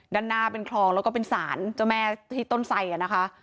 ด้านหน้าเป็นคลองแล้วก็เป็นศาลเจ้าแม่ที่ต้นไสนะคะ